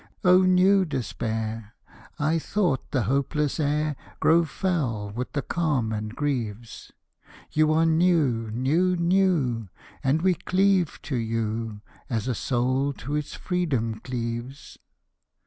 O new despair! I though the hopeless air Grow foul with the calm and grieves, You are new, new, new and we cleave to you As a soul to its freedom cleaves.